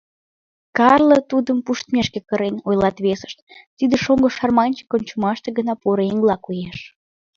— Карло тудым пуштмешке кырен, — ойлат весышт, — тиде шоҥго шарманщик ончымаште гына поро еҥла коеш.